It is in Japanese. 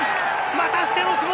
またしても久保！